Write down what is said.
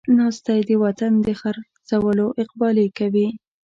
ناست دی د وطن د خر څولو اقبالې کوي